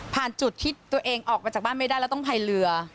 จุดที่ตัวเองออกมาจากบ้านไม่ได้แล้วต้องพายเรือ